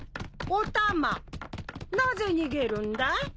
お玉なぜ逃げるんだい？